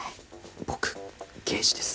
僕、刑事です。